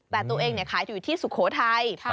แต่ตัวเองขายอยู่ที่สุโขทัย